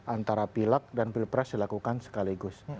antara pilak dan pil pres dilakukan sekaligus